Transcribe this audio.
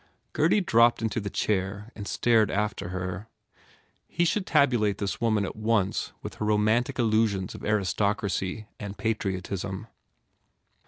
Gurdy dropped into the chair and stared after her. He should tabulate this woman at once with her romantic illusions of aristocracy and patriotism.